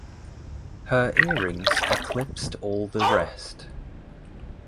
Her earrings eclipsed all the rest.